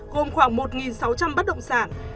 gồm khoảng một sáu trăm linh bất động sản